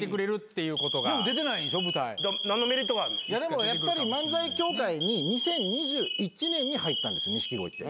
でもやっぱり漫才協会に２０２１年に入ったんです錦鯉って。